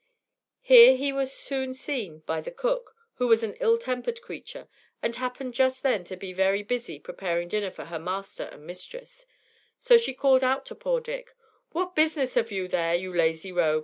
Here he was soon seen by the cook, who was an ill tempered creature, and happened just then to be very busy preparing dinner for her master and mistress; so she called out to poor Dick: "What business have you there, you lazy rogue?